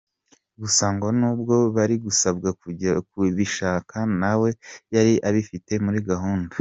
Gusa ngo nubwo bari gusabwa kujya kubishaka, na we yari abifite muri gahunda.